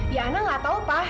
ya anak gak tau pak